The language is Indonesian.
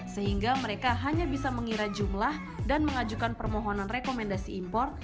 sehingga mereka hanya bisa mengira jumlah dan mengajukan permohonan rekomendasi impor